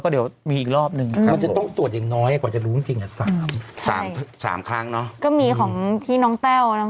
ก็มีของที่น้องแต้ว